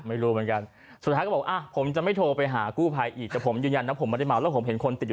ไม่รู้หายไปไหนแล้วนะครับ